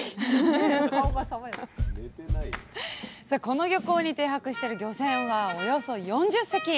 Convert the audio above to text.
この漁港に停泊してる漁船はおよそ４０隻。